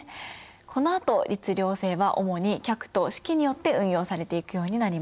このあと律令制は主に「格」と「式」によって運用されていくようになります。